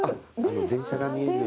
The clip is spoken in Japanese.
電車が見える。